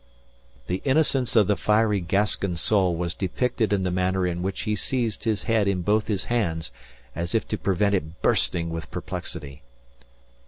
The innocence of the fiery Gascon soul was depicted in the manner in which he seized his head in both his hands as if to prevent it bursting with perplexity.